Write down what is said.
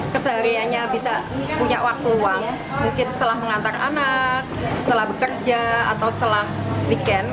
kesehariannya bisa punya waktu uang mungkin setelah mengantar anak setelah bekerja atau setelah weekend